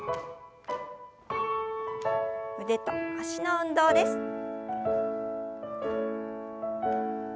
腕と脚の運動です。